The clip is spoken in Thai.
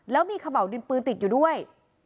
แล้วมีขม่าวดินปืนติดอยู่ด้วย